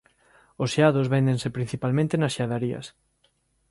Os xeados véndense principalmente nas xeadarías.